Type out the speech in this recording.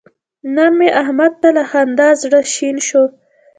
نن مې احمد ته له خندا زړه شین شو.